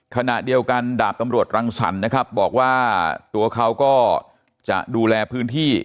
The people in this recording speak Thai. ขณะเดียวกันดาบตำรวจรังสรรค์นะครับบอกว่าตัวเขาก็จะดูแลพื้นที่